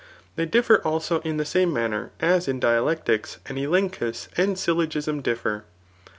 They differ also in the same manner as in dialectics an elenchus and syllogism differ.